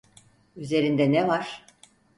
Üzerinde ne var?